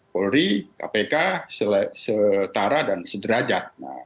polri kpk setara dan sederajat